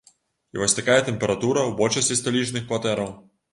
І вось такая тэмпература ў большасці сталічных кватэраў.